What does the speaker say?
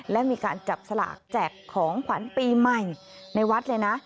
และมีการจับสลากแจกของขวัญปีใหม่ในวัดเลยนะ